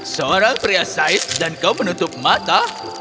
seorang pria said dan kau menutup mata